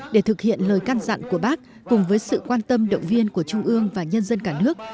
để thực hiện lời căn dặn của bác cùng với sự quan tâm động viên của trung ương và nhân dân cả nước